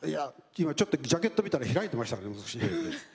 今ちょっとジャケット見たら開いていましたね。